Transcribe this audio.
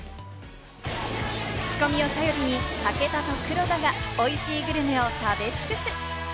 クチコミを頼りに武田と黒田が美味しいグルメを食べ尽くす！